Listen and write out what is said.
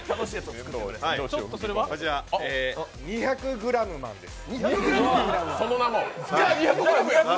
こちら２００ｇマンです。